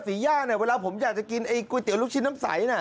ย่าเนี่ยเวลาผมอยากจะกินไอก๋วยเตี๋ยวลูกชิ้นน้ำใสน่ะ